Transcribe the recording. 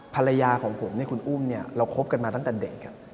ภรรยาของผมคุณอุ้มเราคบกันมาตั้งแต่เด็ก